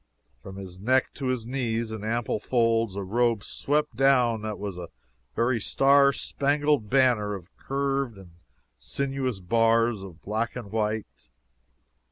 From his neck to his knees, in ample folds, a robe swept down that was a very star spangled banner of curved and sinuous bars of black and white.